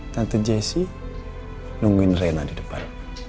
tante jesse nungguin rena di depan